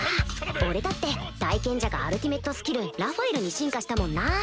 俺だって大賢者がアルティメットスキル智慧之王に進化したもんな